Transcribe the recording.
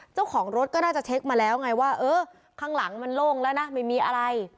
เจ้าของรถก็น่าจะเช็คมาแล้วไงว่าเออข้างหลังมันโล่งแล้วนะไม่มีอะไร